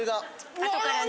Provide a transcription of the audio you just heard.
あとからね。